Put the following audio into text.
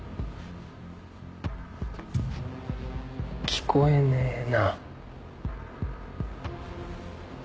聞こえねえな。